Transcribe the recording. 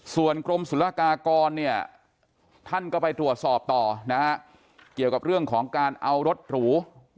ส่วนกรมศุลกากรเนี่ยท่านก็ไปตรวจสอบต่อนะฮะเกี่ยวกับเรื่องของการเอารถหรู